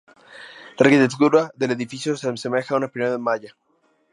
La arquitectura del edificio se asemeja a una pirámide maya.